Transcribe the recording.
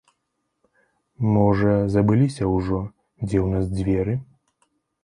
Можа, забыліся ўжо, дзе ў нас дзверы?